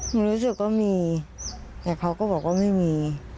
รู้สึกว่ามีแต่เขาก็บอกว่าไม่มี